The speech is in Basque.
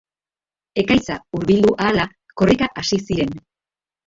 Ekaitza hurbildu ahala, korrika hasi ziren.